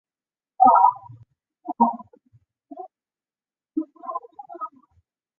国际君主主义者会议经常被左翼攻击为是在鼓吹保守和专制。